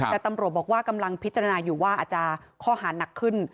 แต่ตำรวจบอกว่ากำลังพิจารณาอยู่ว่าอาจจะข้อหานักขึ้น